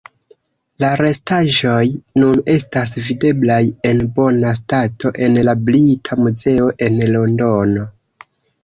La restaĵoj nun estas videblaj en bona stato en la Brita Muzeo en Londono.